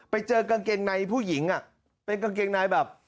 ไปเจอกางเกงในผู้หญิงเป็นกางเกงในแบบ